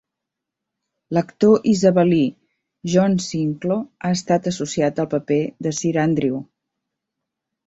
L'actor isabelí John Sinklo ha estat associat al paper de Sir Andrew.